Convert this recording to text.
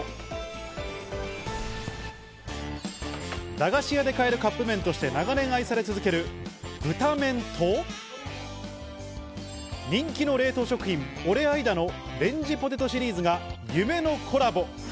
駄菓子屋で買えるカップ麺として長年愛され続けるブタメンと、人気の冷凍食品オレアイダのレンジポテトシリーズが夢のコラボ。